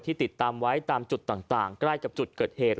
ติดตามไว้ตามจุดต่างใกล้กับจุดเกิดเหตุ